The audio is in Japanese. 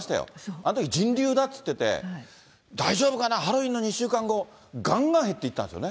あのとき、人流だって言ってて、大丈夫かな、ハロウィンの２週間後、がんがん減っていったんですよね。